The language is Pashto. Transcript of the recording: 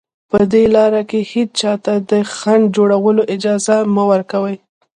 په دې لاره کې هېچا ته د خنډ جوړولو اجازه مه ورکوئ